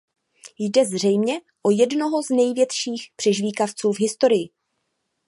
Jde zřejmě o jednoho z největších přežvýkavců v historii.